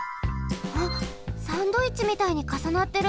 あっサンドイッチみたいにかさなってる。